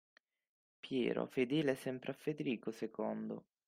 Piero fedele sempre a Federico II